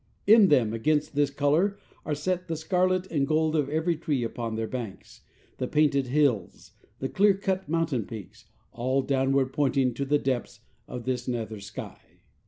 In them against this color are set the scarlet and gold of every tree upon their brinks, the painted hills, the clear cut mountain peaks, all downward pointing to the depths of this nether sky.